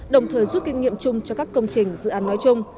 đồng thời rút kinh nghiệm chung cho các công trình dự án nói chung